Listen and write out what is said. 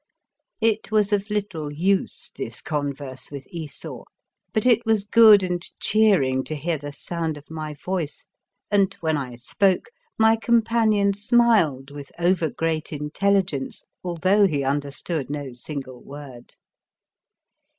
It was of little use, this converse with Esau ; but it was good and cheer ing to hear the sound of my voice, and, when I spoke, my companion smiled with over great intelligence, although he understood no single word.